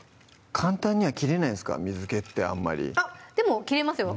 簡単には切れないんですか水けってあんまりでも切れますよ